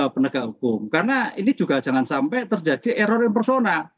penegak hukum karena ini juga jangan sampai terjadi error yang personal